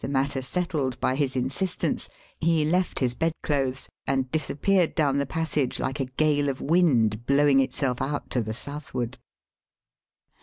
matter settled by his insistan6e, he left his bed clothes and disappeared down the passage Kke a gale of wind blowing itself out to the southward.